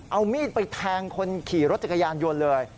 เอามีดไปแทงคนขี่รถจักรยานยนต์เลย